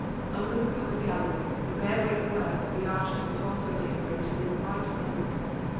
Under the covered galleries, the bare brick work of the arches was also decorated in bright colours.